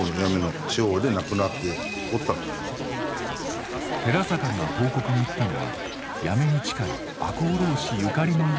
寺坂が報告に行ったのは八女に近い赤穂浪士ゆかりの家だといわれています。